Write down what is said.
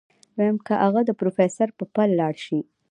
ويم که اغه د پروفيسر په پل لاړ شي.